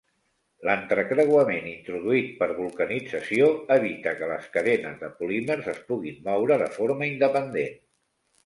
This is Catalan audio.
L'entrecreuament introduït per vulcanització evita que les cadenes de polímers es puguin moure de forma independent.